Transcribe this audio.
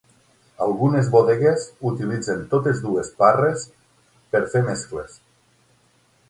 Algunes bodegues utilitzen totes dues parres per fer mescles.